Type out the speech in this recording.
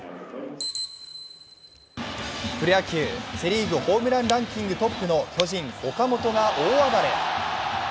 プロ野球、セ・リーグホームランランキングトップの巨人・岡本が大暴れ。